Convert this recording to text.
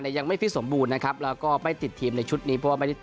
ยังไม่ฟิตสมบูรณ์นะครับแล้วก็ไม่ติดทีมในชุดนี้เพราะว่าไม่ได้